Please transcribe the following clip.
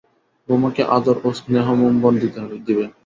বৌমাকে আদর ও স্নেহমুম্বন দিবে।